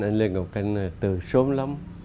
anh lê ngọc canh từ sớm lắm